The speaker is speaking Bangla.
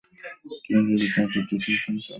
তিনি তার পিতামাতার দ্বিতীয় সন্তান।